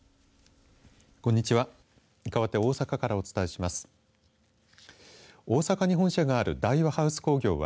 こんにちは。